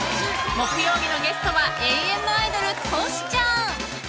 木曜日のゲストは永遠のアイドル、トシちゃん！